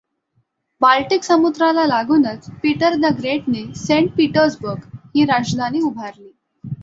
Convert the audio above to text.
Baltic समुद्राला लागूनच Peter the ग्रेटने सेंट पीटर्सबर्ग ही राजधानी उभारली.